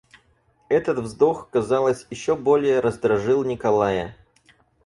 Этот вздох, казалось, еще более раздражил Николая.